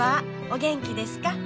お元気ですか？